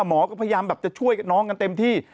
หมอก็พยายามแบบจะช่วยน้องกันเต็มที่